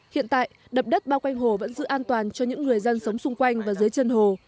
hiện tại đập đất bao quanh hồ vẫn giữ an toàn cho những người dân sống xung quanh và dưới chân hồ